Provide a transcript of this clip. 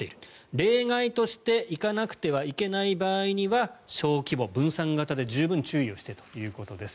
例外として行かなくてはいけない場合には小規模分散型で十分注意をしてということです。